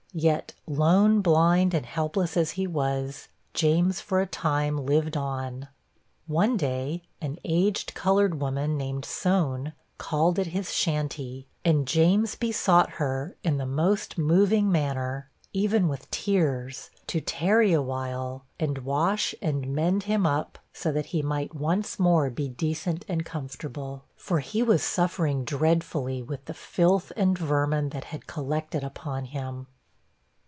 Yet, lone, blind and helpless as he was, James for a time lived on. One day, an aged colored woman, named Soan, called at his shanty, and James besought her, in the most moving manner, even with tears, to tarry awhile and wash and mend him up, so that he might once more be decent and comfortable; for he was suffering dreadfully with the filth and vermin that had collected upon him.